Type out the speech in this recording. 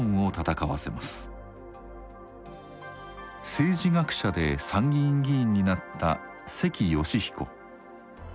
政治学者で参議院議員になった関嘉彦。